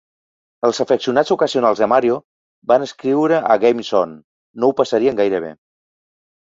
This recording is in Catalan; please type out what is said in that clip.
Els afeccionats ocasionals de "Mario", van escriure a "GameZone", no ho passarien gaire bé.